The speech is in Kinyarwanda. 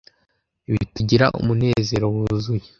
bitugira umunezero wuzuye